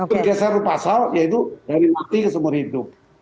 bergeser pasal yaitu dari mati ke seumur hidup